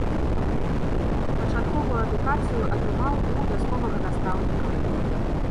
Пачатковую адукацыю атрымаў у вясковага настаўніка.